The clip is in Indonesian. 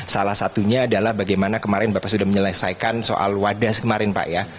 salah satunya adalah bagaimana kemarin bapak sudah menyelesaikan soal wadas kemarin pak ya